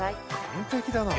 完璧だな。